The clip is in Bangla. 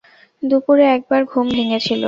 দুপুরে এক বার ঘুম ভেঙেছিল।